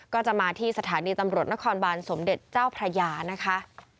ก็จะมาที่สถานีตำรวจนครบานสมเด็จเจ้าพระยานะคะ